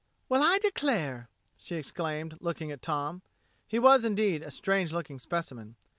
"Well, I declare!" she exclaimed, looking at Tom. He was, indeed, a strange looking specimen.